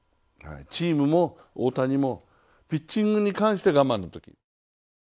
チームも大谷もピッチングに関して我慢のとき。